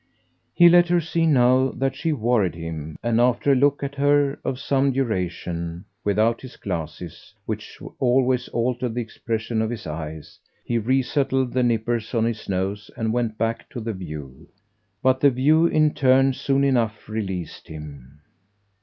He let her see now that she worried him, and after a look at her, of some duration, without his glasses which always altered the expression of his eyes he re settled the nippers on his nose and went back to the view. But the view, in turn, soon enough released him.